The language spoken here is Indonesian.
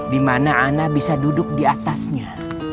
dimana ana bisa duduk diatasnya